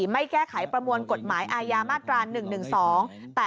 ไม่แก้ไขประมวลกฎหมายอาญามาตรา๑๑๒